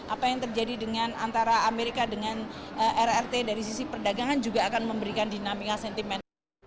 apa yang terjadi dengan antara amerika dengan rrt dari sisi perdagangan juga akan memberikan dinamika sentimen